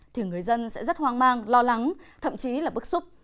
thì người dân sẽ rất hoang mang lo lắng thậm chí là bức xúc